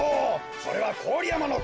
それはこおりやまのこおりかね？